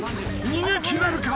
逃げ切れるか？］